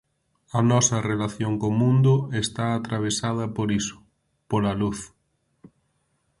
A nosa relación co mundo está atravesada por iso, pola luz.